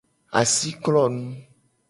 Asi klonu.